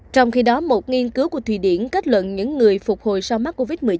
trong khi đó một nghiên cứu của thụy điển kết luận những người phục hồi sau mắc covid một mươi chín